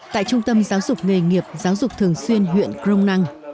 tại trung tâm giáo dục nghề nghiệp giáo dục thường xuyên huyện krong nang